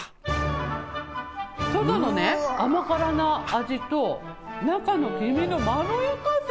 外のね、甘辛な味と、中の黄身のまろやかさ。